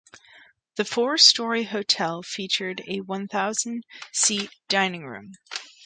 The four-story hotel featured a one-thousand-seat dining room.